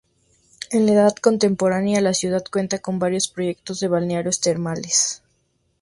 En la Edad Contemporánea la ciudad cuenta con varios proyectos de balnearios termales.